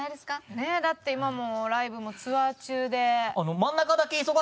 ねえ？だって今もうライブもツアー中で。